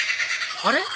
あれ？